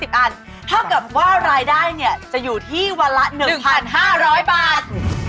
อันเท่ากับว่ารายได้จะอยู่ที่วันละ๑๕๐๐บาท